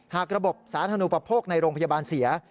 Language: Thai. หากระบบสถานุประโภคในโรงพยาบาลเสีย